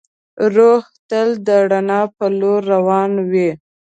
روح تل د رڼا په لور روان وي.